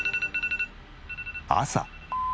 朝。